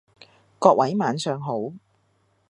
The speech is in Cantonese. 各位晚上好